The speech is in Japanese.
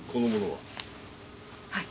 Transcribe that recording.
はい。